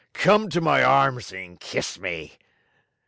Come to my arms and kiss me!"